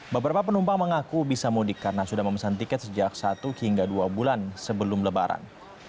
beberapa penumpang mengaku bisa mudik karena sudah memesan tiket sejak satu hingga dua bulan sebelum lebaran